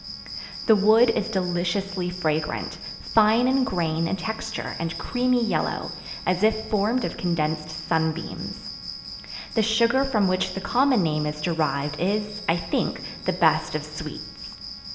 The wood is deliciously fragrant, fine in grain and texture and creamy yellow, as if formed of condensed sunbeams. The sugar from which the common name is derived is, I think, the best of sweets.